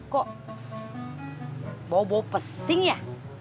kok bau bau pesing ya